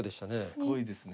すごいですね。